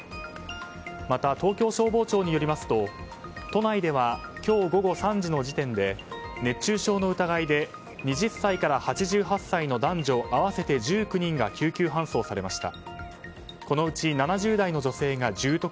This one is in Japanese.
また、東京消防庁によりますと都内では今日午後３時の時点で熱中症の疑いで２０歳から８８歳の男女合わせて１９人が救急搬送されました。